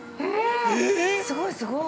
すごいすごい！